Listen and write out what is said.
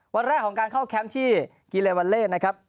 วันแรกของการเข้าแคมป์ที่กิเลวาเล่นเล่นะครับ